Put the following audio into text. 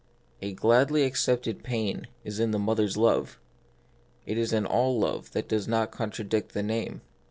A gladly accepted pain is in the mother's love ; it is in all love that does not contradict the name.